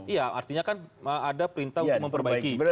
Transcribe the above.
iya artinya kan ada perintah untuk memperbaiki